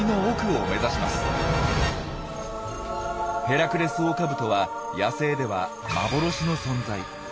ヘラクレスオオカブトは野生では幻の存在。